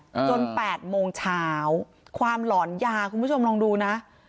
จนแปดโมงเช้าความหลอนยาคุณผู้ชมลองดูนะ